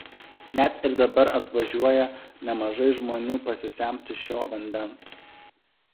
Net ir dabar atvažiuoja nemažai žmonių pasisemti šio vandens.